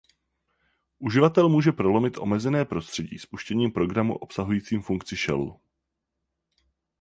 Uživatel může prolomit omezené prostředí spuštěním programu obsahujícím funkci shellu.